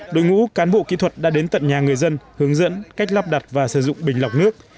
đội ngũ cán bộ kỹ thuật đã đến tận nhà người dân hướng dẫn cách lắp đặt và sử dụng bình lọc nước